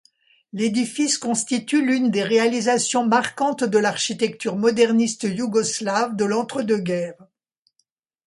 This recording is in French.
L'édifice constitue l'une des réalisations marquantes de l'architecture moderniste yougoslave de l'entre-deux-guerres.